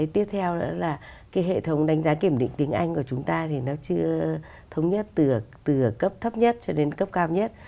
tiếp theo nữa là cái hệ thống đánh giá kiểm định tiếng anh của chúng ta thì nó chưa thống nhất từ cấp thấp nhất cho đến cấp cao nhất